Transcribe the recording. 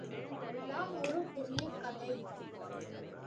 எல்லாம் ஒரு பெரிய கதை.